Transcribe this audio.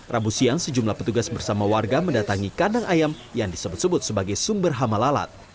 rabu siang sejumlah petugas bersama warga mendatangi kandang ayam yang disebut sebut sebagai sumber hama lalat